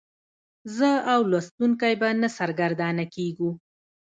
زه او لوستونکی به نه سرګردانه کیږو.